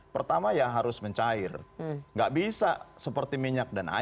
pertama ya harus mencantumkan